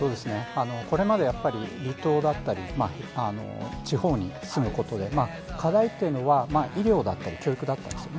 これまでやっぱり、離島だったり、地方に住むことで、課題っていうのは、医療だったり教育だったり。